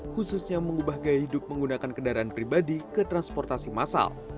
khususnya mengubah gaya hidup menggunakan kendaraan pribadi ke transportasi massal